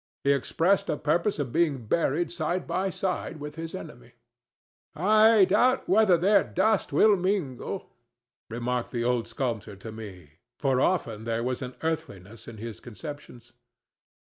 He expressed a purpose of being buried side by side with his enemy. "I doubt whether their dust will mingle," remarked the old sculptor to me; for often there was an earthliness in his conceptions.